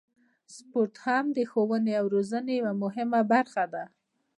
سپورت هم د ښوونې او روزنې یوه مهمه برخه ده.